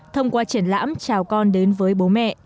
thông qua triển lãm chào con đến với bố mẹ